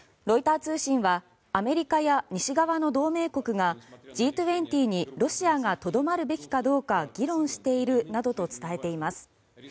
ロイター通信はアメリカや西側の同盟国がＧ２０にロシアがとどまるべきかどうか議論しているなどと伝えています。